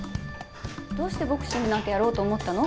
どうしてボクシングなんてやろうと思ったの？